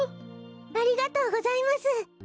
ありがとうございます。